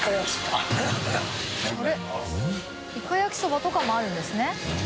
イカ焼きそばとかもあるんですね。